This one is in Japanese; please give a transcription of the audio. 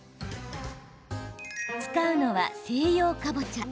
使うのは西洋かぼちゃ。